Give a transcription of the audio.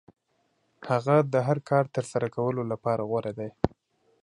هغه د هر کار ترسره کولو لپاره غوره دی.